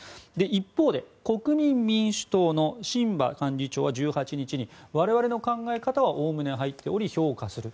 一方で国民民主党の榛葉幹事長は１８日に我々の考え方はおおむね入っており、評価する。